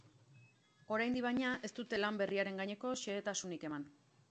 Oraindik, baina, ez dute lan berriaren gaineko xehetasunik eman.